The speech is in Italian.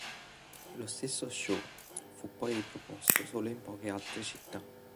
Lo stesso show fu poi riproposto solo in poche altre città.